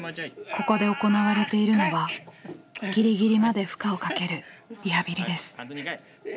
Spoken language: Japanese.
ここで行われているのはぎりぎりまで負荷をかけるリハビリです。